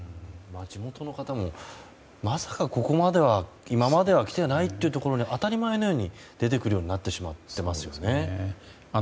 地元の方もまさかここまでは今までは来てないところに当たり前のように出てくるようになってしまってますよね。